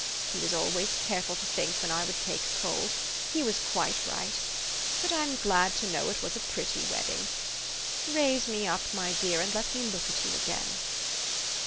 He was always careful to think when I would take cold. He was quite right. But I'm glad to know it was a pretty wed ding. Raise me up, my dear, and let me look at you again."